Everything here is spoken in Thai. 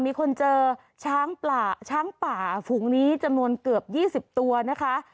มีคนเจอช้างป่าช้างป่าฝูงนี้จำนวนเกือบ๒๐ตัวนะคะ